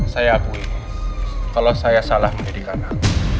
saya akui kalo saya salah menjadikan anak